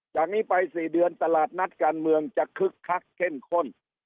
จากนี้ไป๔เดือนตลาดนัดการเมืองจะคึกคักเข้มข้น